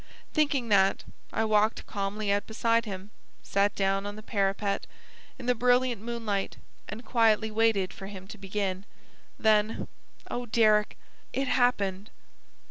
Thinking that, I walked calmly out beside him; sat down on the parapet, in the brilliant moonlight, and quietly waited for him to begin. Then oh, Deryck! It happened."